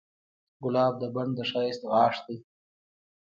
ګلاب د بڼ د ښایست غاښ دی.